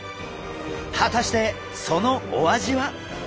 果たしてそのお味は？